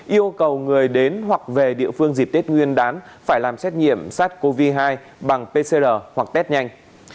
yêu cầu người đến hoặc về địa phương dịp tết nguyên đán phải làm xét nghiệm sars cov hai bằng pcr hoặc test nhanh